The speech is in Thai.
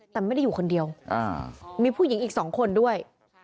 แต่ไม่ได้อยู่คนเดียวมีผู้หญิงอีก๒คนด้วย